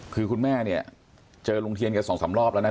คือคุณแม่เนี่ยเจอลุงเทียนแกสองสามรอบแล้วนะ